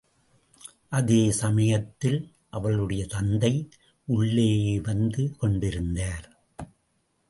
அதே சமயத்தில் அவளுடைய தந்தை உள்ளேயே வந்து கொண்டிருந்தார்.